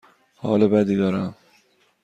حال بدی دارم.